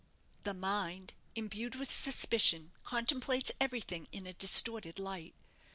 The mind, imbued with suspicion, contemplates everything in a distorted light.